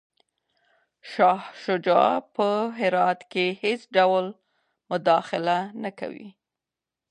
شاه شجاع به په هرات کي هیڅ ډول مداخله نه کوي.